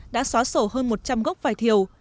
đã xóa sổ hơn một trăm linh gốc vải thiều